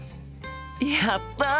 やった！